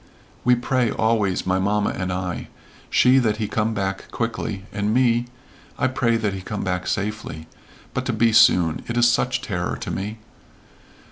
"We pray, always, my mamma and I. She that he come back quickly, and me I pray that he come back safely but to be soon it is such terror to me."